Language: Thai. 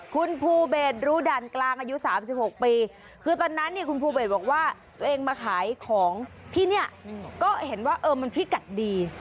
คุณภูเบสรู้ด่านกลางอายุ๓๖ปีคือตอนนั้นเนี่ยคุณภูเบสบอกว่าตัวเองมาขายของที่เนี่ยก็เห็นว่าเออมันพิกัดดี